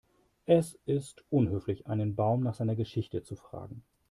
Es ist unhöflich, einen Baum nach seiner Geschichte zu fragen.